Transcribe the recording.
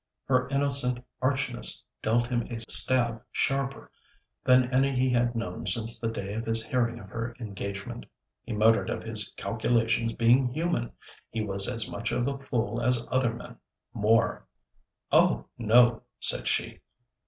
Her innocent archness dealt him a stab sharper than any he had known since the day of his hearing of her engagement. He muttered of his calculations being human; he was as much of a fool as other men more! 'Oh! no,' said she.